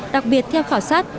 đặc biệt theo khảo sát